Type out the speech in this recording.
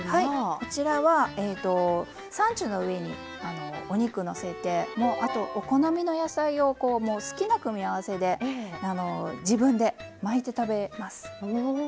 こちらはサンチュの上にお肉のせてお好みの野菜を好きな組み合わせで自分で巻いて食べます。